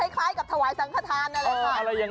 คล้ายกับถวายสังขทานนั่นแหละค่ะ